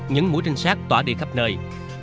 những mũi trinh sát tỏa đi khắp nơi